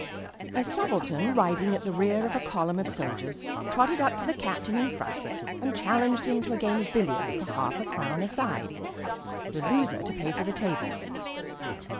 "A subaltern riding at the rear of a column of soldiers trotted up to the captain in front and challenged him to a game of billiards for half a crown a side, the loser to pay for the table.